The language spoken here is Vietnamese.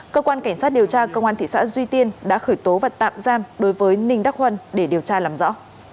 cơ quan cảnh sát điều tra công an thị xã duy tiên đã khởi tố và tạm giam đối với ninh đắc huân để điều tra làm rõ